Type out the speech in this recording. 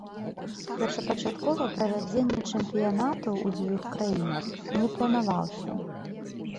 Першапачаткова правядзенне чэмпіянату ў дзвюх краінах не планаваўся.